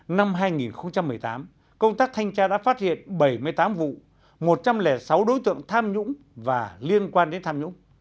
năm hai nghìn một mươi tám công tác thanh tra đã phát hiện bảy mươi tám vụ một trăm linh sáu đối tượng tham nhũng và liên quan đến tham nhũng